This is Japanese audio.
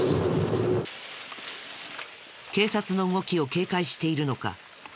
警察の動きを警戒しているのか。